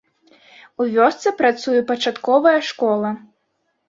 У вёсцы працуе пачатковая школа.